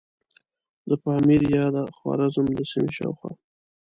د پامیر یا د خوارزم د سیمې شاوخوا.